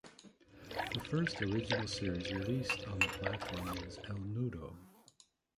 The first original series released on the platform was "El nudo".